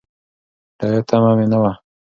د عاید تمه مې نه وه کړې.